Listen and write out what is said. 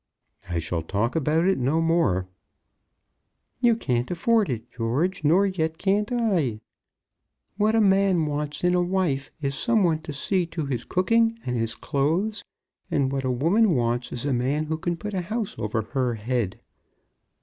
"I shall talk about it no more." "You can't afford it, George; nor yet can't I. What a man wants in a wife is some one to see to his cooking and his clothes; and what a woman wants is a man who can put a house over her head.